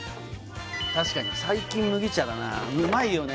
確かに最近麦茶だなうまいよね